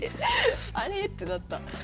あれってなった。